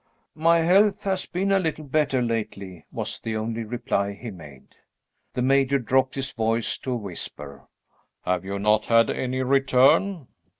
"My health has been a little better lately," was the only reply he made. The Major dropped his voice to a whisper. "Have you not had any return